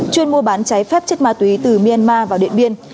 chuyên mua bán trái phép chất ma túy từ myanmar vào điện biên